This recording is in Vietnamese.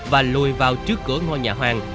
và lùi vào trước cửa ngôi nhà hoàng